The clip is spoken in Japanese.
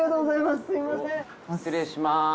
失礼します。